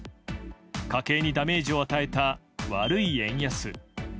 家計にダメージを与えた悪い円安。